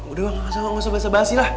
udah gak usah bahasa bahasi lah